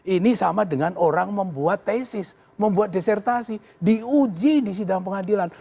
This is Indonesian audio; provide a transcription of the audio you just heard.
ini sama dengan orang membuat tesis membuat desertasi diuji di sidang pengadilan